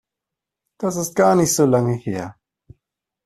Das ist gar nicht so lange her.